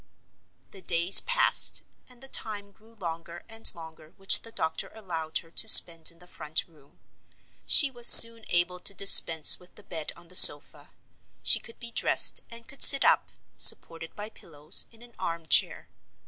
The days passed, and the time grew longer and longer which the doctor allowed her to spend in the front room. She was soon able to dispense with the bed on the sofa—she could be dressed, and could sit up, supported by pillows, in an arm chair.